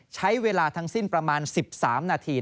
ใช้เวลาทั้งสิ้นประมาณ๑๓นาที